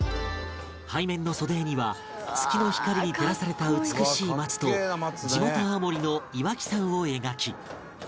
背面の袖絵には月の光に照らされた美しい松と地元青森の岩木山を描き